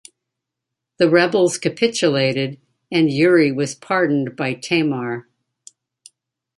The rebels capitulated and Yury was pardoned by Tamar.